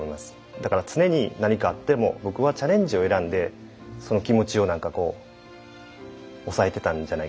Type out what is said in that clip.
だから常に何かあっても僕はチャレンジを選んでその気持ちを抑えてたんじゃないかなと思います。